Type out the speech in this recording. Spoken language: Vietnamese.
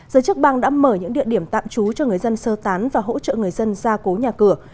giới chức bang đã mở những địa điểm tạm trú cho người dân sơ tán và hỗ trợ người dân ra cố nhà cửa